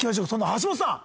橋本さん！